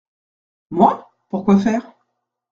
Moi ? pour quoi faire ?